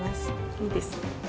いいですね。